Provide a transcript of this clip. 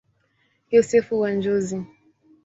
Yosefu wa Njozi.